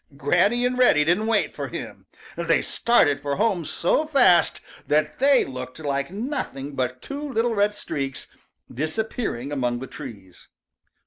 Granny and Reddy didn't wait for him. They started for home so fast that they looked like nothing but two little red streaks disappearing among the trees.